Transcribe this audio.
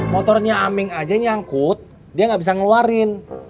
motornya aming aja nyangkut dia nggak bisa ngeluarin